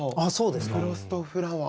フロストフラワー。